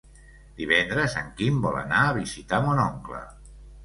Divendres en Quim vol anar a visitar mon oncle.